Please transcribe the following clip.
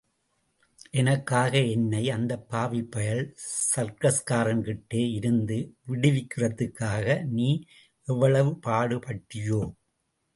எனக்காக, என்னை அந்தப் பாவிப் பயல் சர்க்கஸ்காரன்கிட்டே இருந்து விடுவிக்கிறதுக்காக, நீ எவ்வளவு பாடுபட்டியோ?